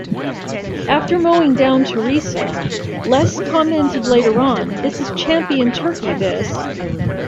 After mowing down Theresa, Les commented later on, This is champion turkey, this!